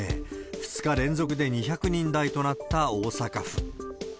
２日連続で２００人台となった大阪府。